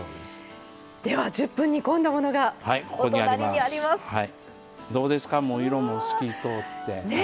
では、１０分煮込んだものがどうですか、色も透き通って。